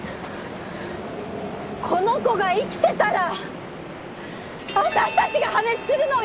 この子が生きてたら私たちが破滅するのよ！？